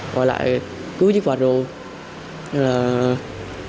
rồi lại cứu chiếc quạt rồi